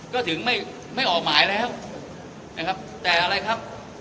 ก็ถึงไม่ออกหมายแล้วนะครับแต่อะไรครับ